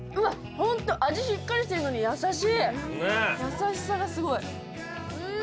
ホント味しっかりしてるのに優しい優しさがすごいうん！